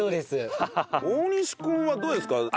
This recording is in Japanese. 大西君はどうですか？